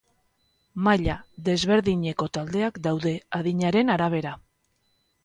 Maila desberdineko taldeak daude, adinaren arabera.